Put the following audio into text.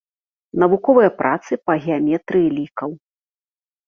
Навуковыя працы па геаметрыі лікаў.